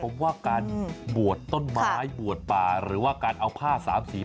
ผมว่าการบวชต้นไม้บวชป่าหรือว่าการเอาผ้าสามสี